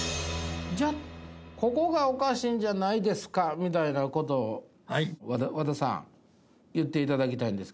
じゃあここがおかしいんじゃないですかみたいなことを和田さん言っていただきたいんですけど。